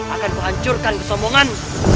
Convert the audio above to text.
akan menghancurkan kesombongan